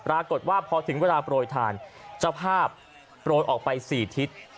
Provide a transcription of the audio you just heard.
ปรากฏว่าพอถึงเวลาโปรยทานเจ้าภาพโปรยออกไป๔ทิศ